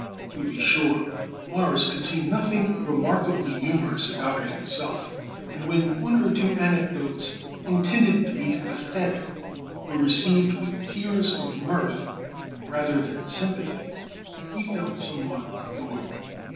To be sure, Morris could see nothing remarkably humorous about it himself, and when one or two anecdotes intended to be pathetic were received with tears of mirth rather than sympathy he felt somewhat annoyed.